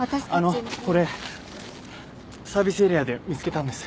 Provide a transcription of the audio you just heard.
これサービスエリアで見つけたんです。